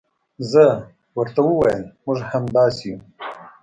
زه ورته وویل موږ هم همداسې یو.